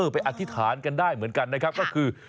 อธิษฐานกันได้เหมือนกันนะครับก็คือ